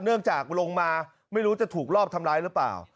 ลงมาจากลงมาไม่รู้จะถูกรอบทำร้ายหรือเปล่า